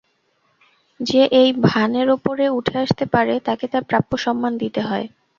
যে এই ভানের ওপরে উঠে আসতে পারে, তাকে তার প্রাপ্য সম্মান দিতে হয়।